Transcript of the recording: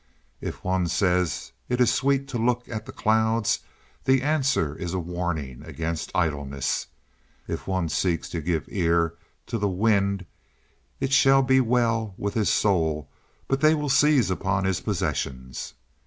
If one says it is sweet to look at the clouds, the answer is a warning against idleness. If one seeks to give ear to the winds, it shall be well with his soul, but they will seize upon his possessions.